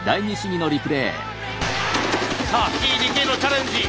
さあＴ・ＤＫのチャレンジ。